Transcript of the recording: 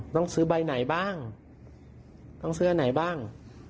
ต้องซื้อใบไหนบ้างต้องซื้ออันไหนบ้าง